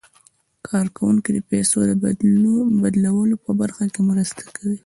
کارکوونکي د پيسو د بدلولو په برخه کې مرسته کوي.